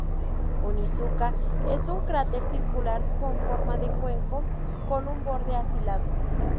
Onizuka es un cráter circular con forma de cuenco, con un borde afilado.